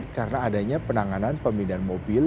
karena adanya penanganan pemindahan mobil